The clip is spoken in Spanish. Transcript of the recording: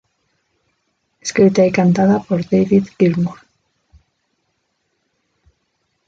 Escrita y cantada por David Gilmour.